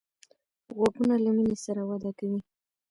غوږونه له مینې سره وده کوي